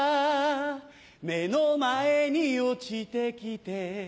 目の前に落ちてきて